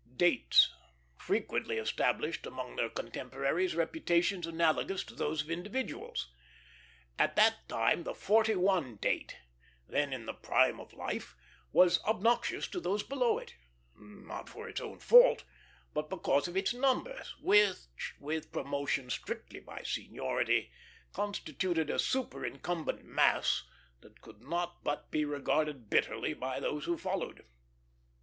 "Dates" frequently established among their contemporaries reputations analogous to those of individuals. At that time the "'41 Date," then in the prime of life, was obnoxious to those below it; not for its own fault, but because of its numbers, which, with promotion strictly by seniority, constituted a superincumbent mass that could not but be regarded bitterly by those who followed.